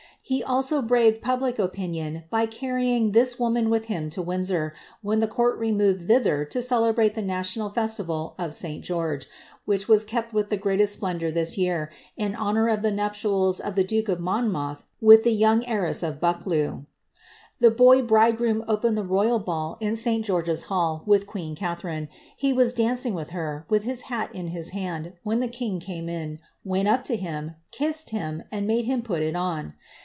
He also bmved public opinion by carrying this woman with him to Windsor, when the court removed thither to celebrate the national festival of St. George, which was kept with the greatest splendour this year, in honour of the nuptials of the duke of Monmouth with the young heiress of Buc cleugh.* The boy bridegroom opened the royal ball in St. George's hall with queen Catharine ; he was dancing with her, with his hat in his hand, wheu tlie king came in, went up to him, kissed him, and made him put il oo.'